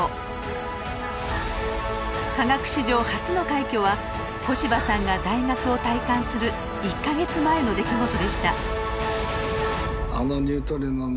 科学史上初の快挙は小柴さんが大学を退官する１か月前の出来事でした。